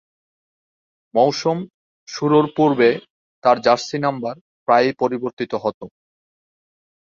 মৌসুম শুরুর পূর্বে তার জার্সি নাম্বার প্রায়ই পরিবর্তিত হত।